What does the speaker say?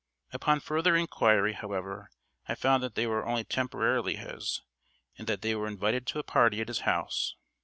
"Upon further inquiry, however, I found that they were only temporarily his, and that they were invited to a party at his house.